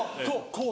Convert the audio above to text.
「こう？